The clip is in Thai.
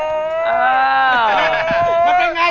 พี่น่าจะเป็นยังไง